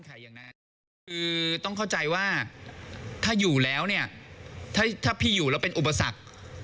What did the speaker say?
คือต้องเข้าใจว่าถ้าอยู่แล้วเนี่ยถ้าพี่อยู่แล้วเป็นอุปสรรค